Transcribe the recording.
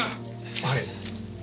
はい。